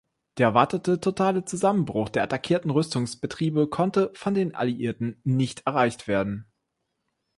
Der erwartete totale Zusammenbruch der attackierten Rüstungsbetriebe konnte von den Alliierten nicht erreicht werden.